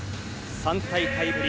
３大会ぶり